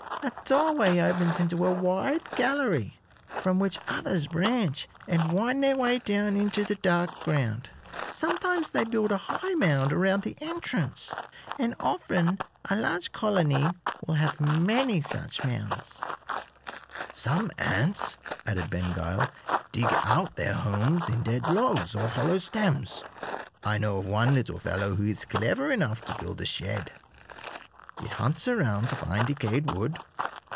A doorway opens into a wide gallery, from which others branch and wind their way down into the dark ground. Sometimes they build a high mound around the entrance, and often a large colony will have many such mounds." [Illustration: A. Honey ant. B. Ants exchanging greetings.] "Some ants," added Ben Gile, "dig out their homes in dead logs or hollow stems. I know of one little fellow who is clever enough to build a shed. It hunts around to find decayed wood.